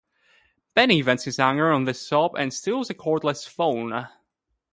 Benny vents his anger on this shop and steals a cordless phone.